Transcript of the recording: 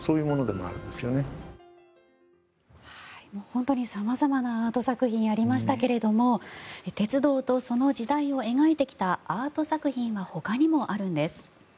本当に様々なアート作品がありましたけども鉄道とその時代を描いてきたアート作品はほかにもあるんです。